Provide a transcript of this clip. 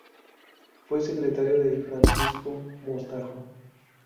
Fue secretario de Francisco Mostajo.